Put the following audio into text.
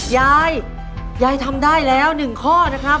ยายยายทำได้แล้ว๑ข้อนะครับ